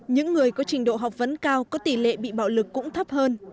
những người có trình độ học vấn cao có tỷ lệ bị bạo lực cũng thấp hơn